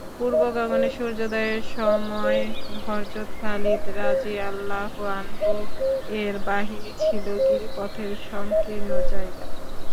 পূর্বগগনে সূর্যোদয়ের সময় হযরত খালিদ রাযিয়াল্লাহু আনহু-এর বাহিনী ছিল গিরিপথের সংকীর্ণ জায়গায়।